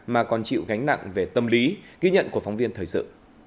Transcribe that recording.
mà còn chịu gánh nặng về tâm lý ghi nhận của phóng viên thời sự